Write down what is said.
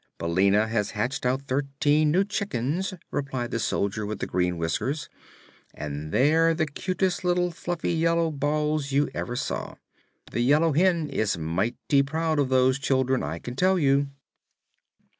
"Billina has hatched out thirteen new chickens," replied the Soldier with the Green Whiskers, "and they're the cutest little fluffy yellow balls you ever saw. The Yellow Hen is mighty proud of those children, I can tell you."